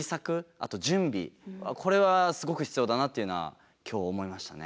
あと準備これはすごく必要だなというのは今日思いましたね。